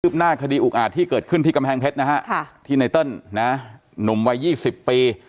หน้าคดีอุกอาจที่เกิดขึ้นที่กำแพงเพชรนะฮะที่ไนเติ้ลนะหนุ่มวัย๒๐ปี